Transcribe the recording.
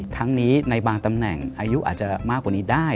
ทั้งนี้ในบางตำแหน่งอายุอาจจะมากกว่านี้ได้